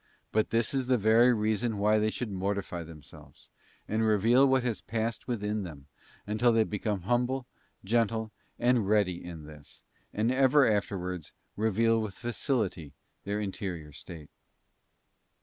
But this is the very reason why they should mortify themselves, and reveal what has passed within them, until they become humble, gentle, and ready in this, and ever afterwards reveal with facility their interior state.